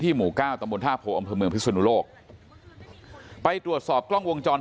ที่หมู่ก้าวตำบลท่าโผอำธมือพฤศนโลกไปตรวจสอบกล้องวงจร